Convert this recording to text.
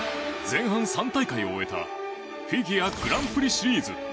前半３大会を終えたフィギュアグランプリシリーズ。